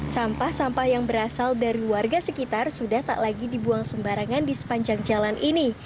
sampah sampah yang berasal dari warga sekitar sudah tak lagi dibuang sembarangan di sepanjang jalan ini